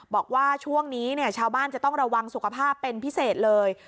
บอกว่าช่วงนี้ชาวบ้านจะต้องระวังสุขภาพเป็นพิเศษเลย